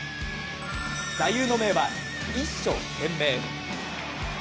座右の銘は一所懸命。